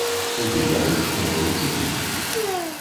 Туды вядуць новую чыгунку.